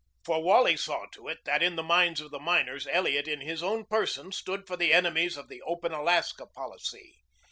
For Wally saw to it that in the minds of the miners Elliot in his own person stood for the enemies of the open Alaska policy.